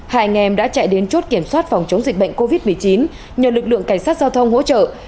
hai anh em đã chạy đến chốt kiểm soát phòng chống dịch bệnh covid một mươi chín nhờ lực lượng cảnh sát giao thông hỗ trợ